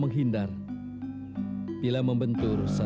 sekarang saja rada se signal kunting anda